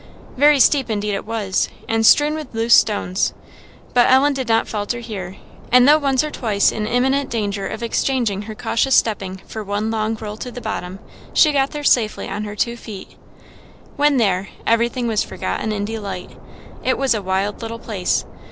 Very steep indeed it was, and strewn with loose stones; but Ellen did not falter here, and though once or twice in imminent danger of exchanging her cautious stepping for one long roll to the bottom, she got there safely on her two feet. When there, everything was forgotten in delight. It was a wild little place.